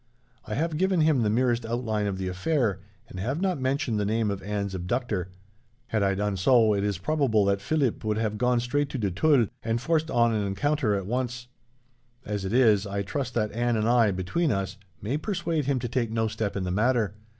I have given him the merest outline of the affair, and have not mentioned the name of Anne's abductor. Had I done so, it is probable that Philip would have gone straight to de Tulle, and forced on an encounter at once. As it is, I trust that Anne and I, between us, may persuade him to take no step in the matter.